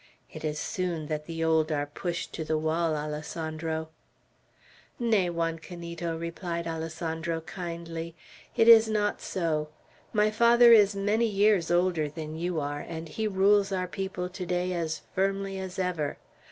It is soon that the old are pushed to the wall, Alessandro." "Nay, Juan Canito," replied Alessandro, kindly. "It is not so. My father is many years older than you are, and he rules our people to day as firmly as ever.